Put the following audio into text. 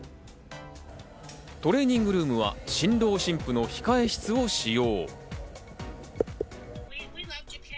トレーニングルームは新郎新婦の控え室を使用。